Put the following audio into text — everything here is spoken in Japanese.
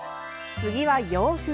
次は、洋風。